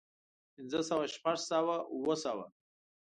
پنځۀ سوه شپږ سوه اووه سوه